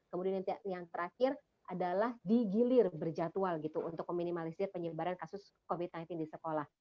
kemudian yang terakhir adalah digilir berjadwal gitu untuk meminimalisir penyebaran kasus covid sembilan belas di sekolah